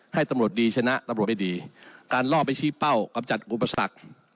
ให้ตำรวจดีชนะตำรวจให้ดีการล่อไปชี้เป้ากำจัดอุปสรรค